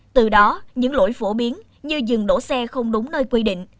từ đó những lỗi phổ biến như dừng đổ xe không đúng nơi quy định